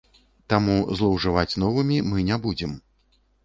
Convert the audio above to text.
Таму злоўжываць новымі мы не будзем!